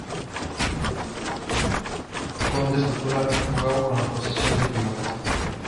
Con de estatura, jugaba en la posición de pívot.